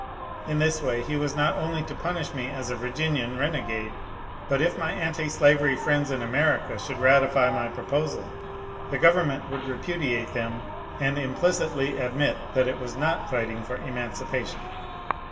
In this way he was not only to punish me as a Virginian rene gade, but if my antislavery friends in America should ratify my proposal, the government would repudiate them and impli^ citly admit that it was not fighting for emancipation.